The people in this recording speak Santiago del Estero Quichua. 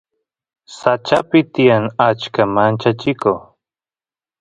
sachapi tiyan achka manchachiko